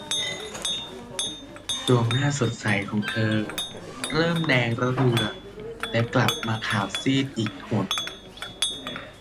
ดวงหน้าสดใสของเธอ เริ่มแดงระเรื่อและกลับมาขาวซีดอีกหน